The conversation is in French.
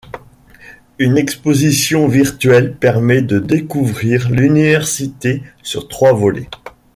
Une exposition virtuelle permet de découvrir l'université sur trois volets.